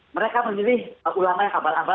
mereka memilih ulama yang kabar kabar